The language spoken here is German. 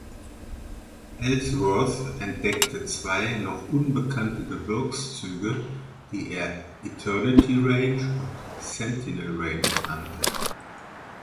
Ellsworth entdeckte zwei noch unbekannte Gebirgszüge, die er Eternity Range und Sentinel Range nannte.